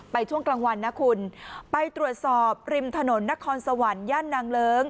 ช่วงกลางวันนะคุณไปตรวจสอบริมถนนนครสวรรค์ย่านนางเลิ้ง